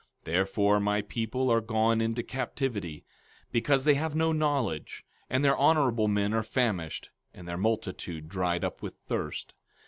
15:13 Therefore, my people are gone into captivity, because they have no knowledge; and their honorable men are famished, and their multitude dried up with thirst.